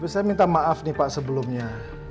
saya minta maaf nih pak sebelumnya